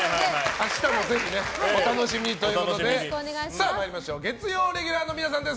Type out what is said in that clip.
明日もぜひお楽しみにということで参りましょう月曜レギュラーの皆さんです。